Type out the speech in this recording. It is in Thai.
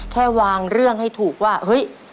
แค่วางเรื่องให้ถูกว่าเฮ้ย